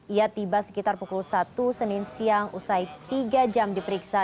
ia tiba sekitar pukul satu senin siang usai tiga jam diperiksa